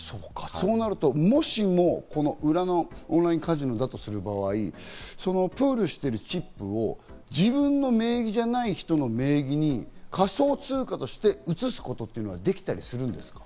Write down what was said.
そうなると、もしも裏のオンラインカジノの場合、プールしているチップを自分の名義じゃない人の名義に仮想通貨として移すことというのはできたりするんですか？